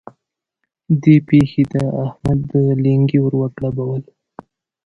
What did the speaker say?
دې پېښې د احمد لېنګي ور وګړبول.